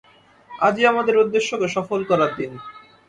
আজই আমাদের উদ্দেশ্যকে সফল করার দিন!